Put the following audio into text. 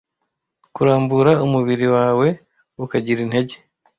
kurambura umubiri wawe ukagira intege